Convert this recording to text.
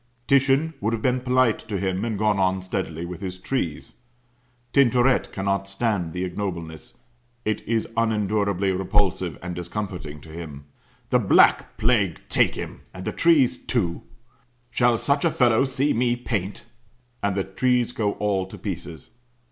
Titian would have been polite to him, and gone on steadily with his trees. Tintoret cannot stand the ignobleness; it is unendurably repulsive and discomfiting to him. "The Black Plague take him and the trees, too! Shall such a fellow see me paint!" And the trees go all to pieces.